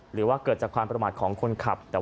หรือว่าเกิดจากความประมาทของคนขับ